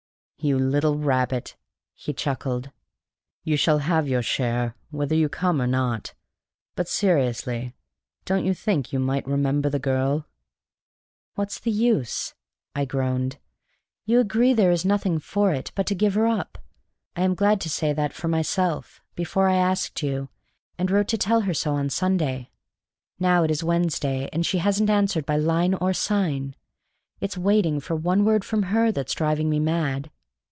"You little rabbit!" he chuckled. "You shall have your share, whether you come or not; but, seriously, don't you think you might remember the girl?" "What's the use?" I groaned. "You agree there is nothing for it but to give her up. I am glad to say that for myself before I asked you, and wrote to tell her so on Sunday. Now it's Wednesday, and she hasn't answered by line or sign. It's waiting for one word from her that's driving me mad."